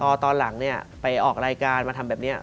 พอตอนหลังเนี่ยไปออกรายการมาทำแบบนี้